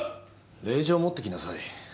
令状を持ってきなさい。